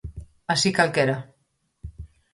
¡Así calquera!